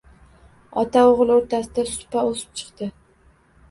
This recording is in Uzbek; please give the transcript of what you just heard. Ota-o‘g‘il o‘rtasida supa o‘sib chiqdi.